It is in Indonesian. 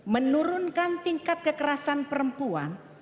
menurunkan tingkat kekerasan perempuan